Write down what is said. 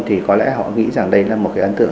thì có lẽ họ nghĩ rằng đây là một cái ấn tượng